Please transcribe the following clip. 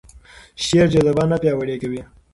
شعر جذبه نه پیاوړې کوي.